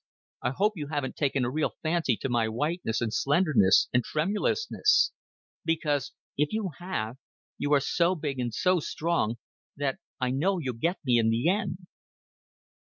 I hope you haven't taken a real fancy to my whiteness and slenderness and tremulousness; because if you have, you are so big and so strong that I know you'll get me in the end."